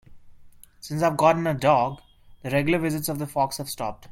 Since I've gotten a dog, the regular visits of the fox have stopped.